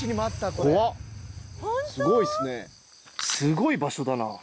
すごい場所だな。